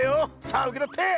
さあうけとって！